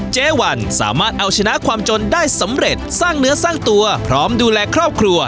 เจ๊วันสามารถเอาชนะความจนได้สำเร็จสร้างเนื้อสร้างตัวพร้อมดูแลครอบครัว